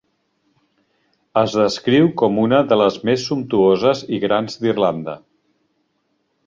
Es descriu com una de les més sumptuoses i grans d'Irlanda.